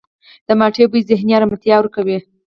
د مالټې بوی ذهني آرامتیا ورکوي.